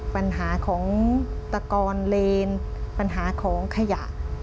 ปัญหาของตะกอนเลนปัญหาของขยะ